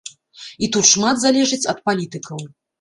І тут шмат залежыць ад палітыкаў.